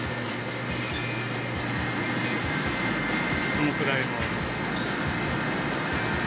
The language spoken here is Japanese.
このくらいの。